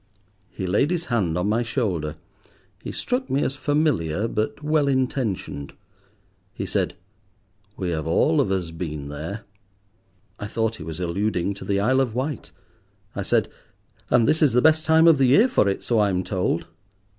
He laid his hand on my shoulder. He struck me as familiar, but well intentioned. He said— "We have all of us been there." I thought he was alluding to the Isle of Wight. I said— "And this is the best time of the year for it, so I'm told."